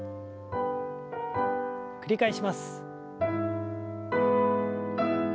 繰り返します。